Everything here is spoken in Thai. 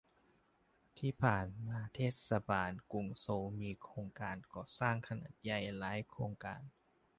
ที่ผ่านมาเทศบาลกรุงโซลมีโครงการก่อสร้างขนาดใหญ่หลายโครงการ